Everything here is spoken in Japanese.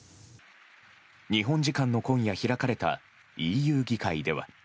日本時間の今夜開かれたＥＵ議会では。